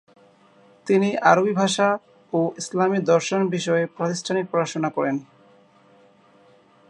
তিনি আরবী ভাষা ও ইসলামী দর্শন বিষয়ে প্রতিষ্ঠানিক পড়াশোনা করেন।